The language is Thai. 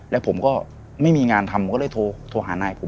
แล้วผมก็ไม่มีงานทำผมก็เลยโทรหานายผม